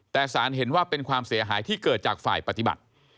แต่สารเห็นว่าเป็นความเสียหายที่เกิดจากฝ่ายปฏิบัติ